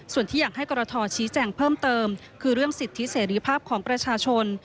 ส่วนที่อยากให้กรทชี้แจงเพิ่มเติมคือเรื่องสิทธิเสรีภาพของประชาชน